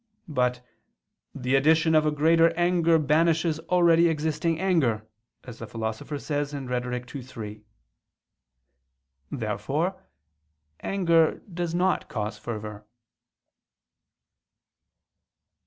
But "the addition of a greater anger banishes already existing anger," as the Philosopher says (Rhet. ii, 3). Therefore anger does not cause fervor.